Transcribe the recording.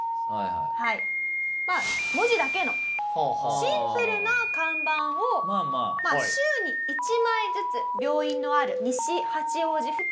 まあ文字だけのシンプルな看板を週に１枚ずつ病院のある西八王子付近にですね